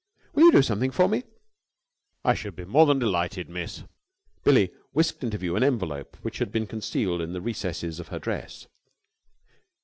"Will you do something for me?" "I should be more than delighted, miss." Billie whisked into view an envelope which had been concealed in the recesses of her dress.